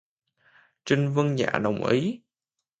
Trinh vâng dạ đồng ý